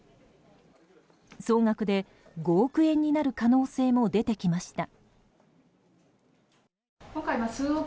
総額で５億円になる可能性も出てきました。